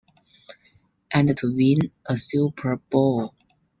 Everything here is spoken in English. And to win a Super Bowl.